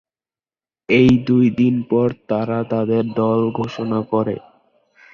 এর দুইদিন পর তারা তাদের দল ঘোষণা করে।